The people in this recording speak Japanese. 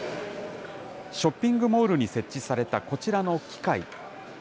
ショッピングモールに設置されたこちらの機械。